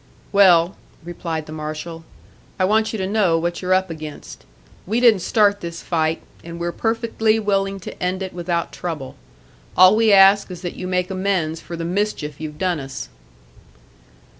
"Well," replied the marshal, "I want you to know what you're up against. We didn't start this fight, and we're perfectly willing to end it without trouble. All we ask is that you make amends for the mischief you've done us."